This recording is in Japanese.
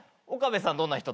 岡部さん